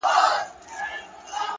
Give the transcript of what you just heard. مثبت لید فرصتونه پیدا کوي،